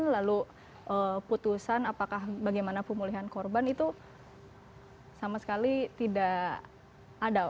lalu putusan apakah bagaimana pemulihan korban itu sama sekali tidak ada